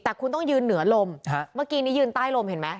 แต่คุณต้องยืนเหนือลมเมื่อกี้นี้ยืนใต้ลมเห็นไหม